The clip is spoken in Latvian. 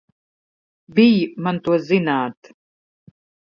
Bij man to zināt!